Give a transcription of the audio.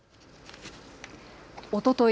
おととい